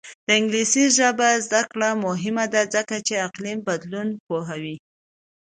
د انګلیسي ژبې زده کړه مهمه ده ځکه چې اقلیم بدلون پوهوي.